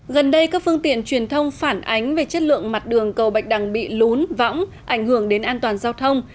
gần đây các phương tiện truyền thông phản ánh về chất lượng mặt đường cầu bạch đằng bị lún võng ảnh hưởng đến an toàn giao thông